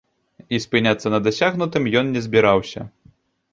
І спыняцца на дасягнутым ён не збіраўся.